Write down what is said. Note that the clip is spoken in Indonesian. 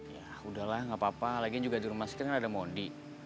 ya udahlah gak apa apa lagian juga di rumah sekitarnya ada mondi